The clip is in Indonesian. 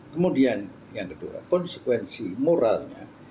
kemudian yang kedua konsekuensi moralnya